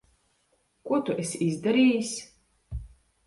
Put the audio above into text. Ko tu esi izdarījis?